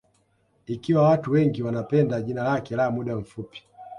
Ikiwa watu wengi wanapenda jina lake la muda mfupi